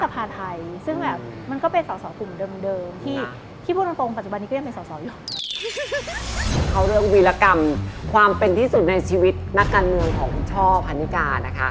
เขาเรื่องวีรกรรมความเป็นที่สุดในชีวิตนักการเมืองของคุณช่อพันนิกานะคะ